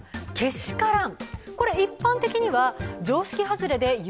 けしからん？